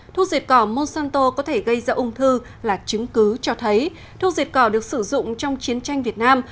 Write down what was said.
thuốc diệt cỏ monsanto có thể gây ra ung thư là chứng cứ cho thấy thuốc diệt cỏ được sử dụng trong chiến tranh việt nam